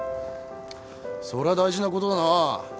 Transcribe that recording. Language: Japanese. それは大事なことだなぁ。